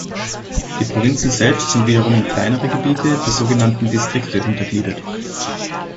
Die Provinzen selbst sind wiederum in kleinere Gebiete, die sogenannten Distrikte, untergliedert.